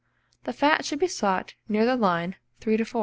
The fat should be sought near the line 3 to 4.